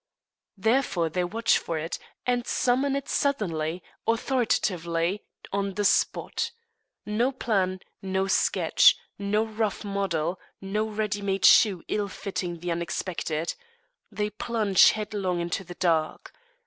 Therefore they watch for it, and summon it suddenly, authoritatively, on the spot. No plan, no sketch, no rough model; no ready made shoe ill fitting the unexpected. They plunge headlong into the dark.